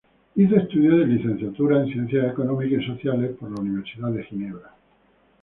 Hizo estudios de licenciatura en ciencias económicas y sociales en la universidad de Ginebra.